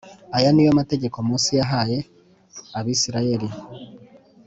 Aya ni yo mategeko Mose yahaye Abisirayeli.